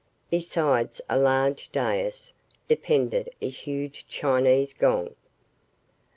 Beside a large dais depended a huge Chinese gong.